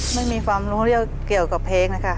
ไม่มีความรู้เรื่องเกี่ยวกับเพลงเลยค่ะ